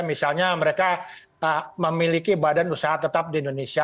misalnya mereka memiliki badan usaha tetap di indonesia